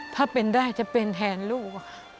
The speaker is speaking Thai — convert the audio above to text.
ถ้าเป็นได้จะเป็นแทนลูก